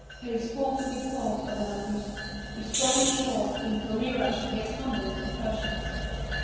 "Face force with force, Odaenathus. Be strong and sure, and Palmyra shall yet humble the Persian."